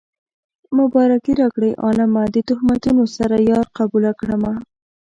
مبارکي راکړئ عالمه د تهمتونو سره يار قبوله کړمه